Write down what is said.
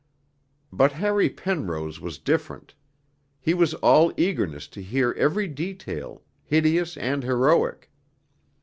But Harry Penrose was different. He was all eagerness to hear every detail, hideous and heroic.